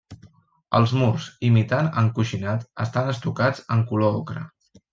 Els murs, imitant encoixinat, estan estucats en color ocre.